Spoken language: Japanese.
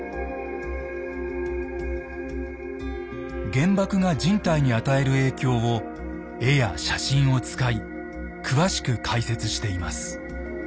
原爆が人体に与える影響を絵や写真を使い詳しく解説しています。